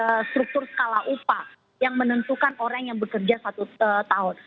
ada struktur skala upah yang menentukan orang yang bekerja satu tahun